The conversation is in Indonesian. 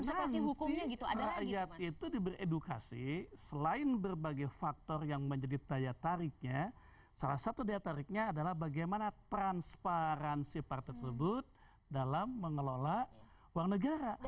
rakyat itu diberi edukasi selain berbagai faktor yang menjadi daya tariknya salah satu daya tariknya adalah bagaimana transparansi partai tersebut dalam mengelola uang negara